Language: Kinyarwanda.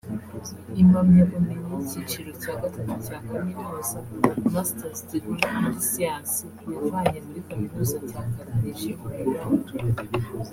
Impamyabumenyi y’ikiciro cya gatatu cya Kaminuza(Masters degree) muri siyansi yavanye muri Kaminuza ya Carnegie Mellon